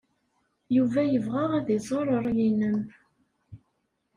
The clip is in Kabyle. Yuba yebɣa ad iẓer ṛṛay-nnem.